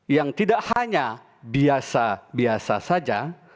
yang tidak hanya biasa biasa saja